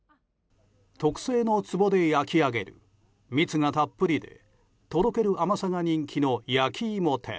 特製のつぼで焼き上げる蜜がたっぷりでとろける甘さが人気の焼き芋店。